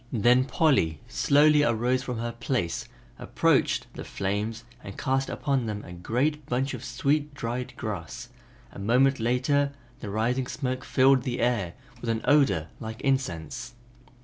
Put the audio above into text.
Then Polly slowly arose from her place, approached the flames and cast upon them a great bunch of sweet dried grass; a moment later the rising smoke filled the air with an odor like incense.